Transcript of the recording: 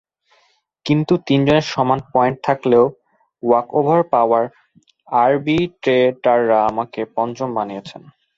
কিন্তু তিনজনের সমান পয়েন্ট থাকলেও ওয়াকওভার পাওয়ায় আরবিট্রেটাররা আমাকে পঞ্চম বানিয়েছেন।